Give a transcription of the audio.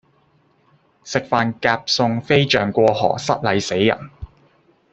食飯夾餸飛象過河失禮死人